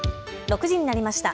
６時になりました。